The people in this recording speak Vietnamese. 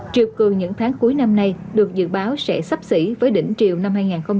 triều cường những tháng cuối năm nay được dự báo sẽ sắp xỉ với đỉnh chiều năm hai nghìn hai mươi